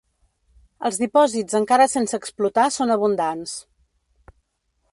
Els dipòsits encara sense explotar són abundants.